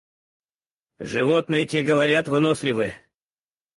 Животные, те, говорят, выносливы.